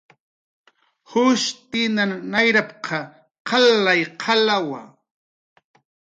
" jushtinan nayrp"" qalay qalawa"